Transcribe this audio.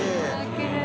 きれい。